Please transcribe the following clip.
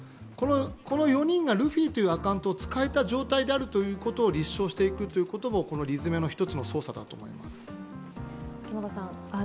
この４人がルフィというアカウントを使えた状態であるということを立証していくということもこの理詰めの一つの捜査だと思うんです。